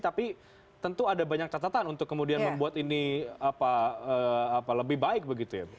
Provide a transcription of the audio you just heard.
tapi tentu ada banyak catatan untuk kemudian membuat ini lebih baik begitu ya